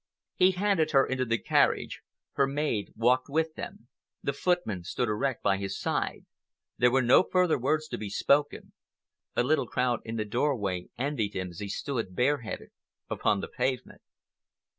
He handed her into the carriage. Her maid walked with them. The footman stood erect by his side. There were no further words to be spoken. A little crowd in the doorway envied him as he stood bareheaded upon the pavement.